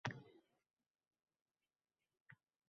Liv Teylor